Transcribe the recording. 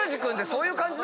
そういう感じ？